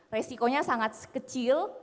resikonya sangat kecil